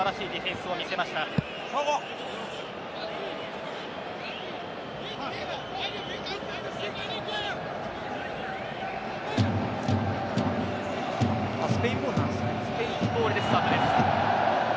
スペインボールでスタートです。